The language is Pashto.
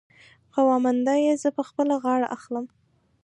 قومانده يې زه په خپله غاړه اخلم.